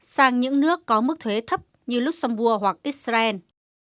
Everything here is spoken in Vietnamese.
sang những nước có mức thuế thấp như luxombourg hoặc israel